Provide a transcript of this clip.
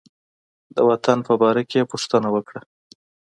د وطن په باره کې یې پوښتنه وکړه.